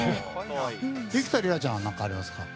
幾田りらちゃんは何かありますか？